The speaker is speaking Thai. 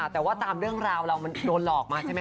แต่ว่าตามเรื่องราวเรามันโดนหลอกมาใช่ไหม